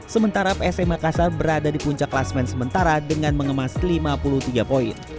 sementara psm makassar berada di puncak kelasmen sementara dengan mengemas lima puluh tiga poin